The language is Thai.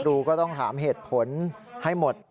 ครูก็ต้องถามเหตุผลให้หมด